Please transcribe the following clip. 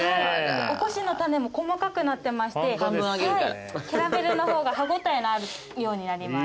おこしの種も細かくなってましてキャラメルの方が歯応えのあるようになります。